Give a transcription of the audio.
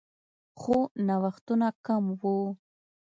خو نوښتونه کم وو